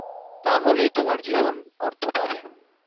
তা হলেই তোমার জীবন অর্থ পাবে।